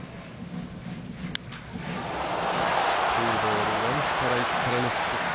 ツーボールワンストライクからの速球。